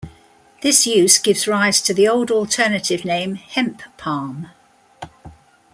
This use gives rise to the old alternative name "hemp-palm".